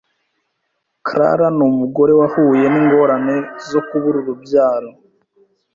Clara ni umugore wahuye n’ingorane zo kubura urubyaro